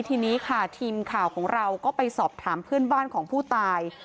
ทีนี้ค่ะทีมข่าวของเราก็ไปสอบถามเพื่อนบ้านของผู้ตาย